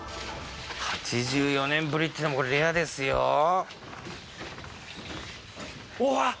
８４年ぶりっていうのもこれレアですよおわ！